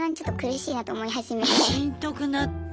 しんどくなった？